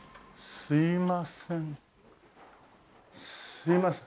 すいません。